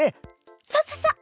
そうそうそう！